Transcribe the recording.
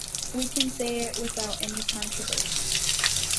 We can say it without any controversy.